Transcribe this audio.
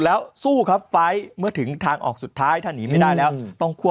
แล้วถ้าถึงที่สุดแล้วล่ะ